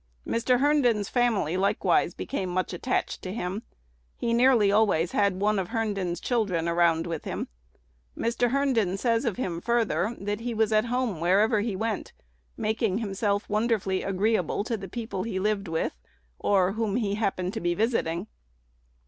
Mr. Herndon's family likewise "became much attached to him." He "nearly always had one" of Herndon's children "around with him." Mr. Herndon says of him further, that he was "at home wherever he went;" making himself wonderfully agreeable to the people he lived with, or whom he happened to be visiting.